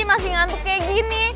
masih ngantuk kayak gini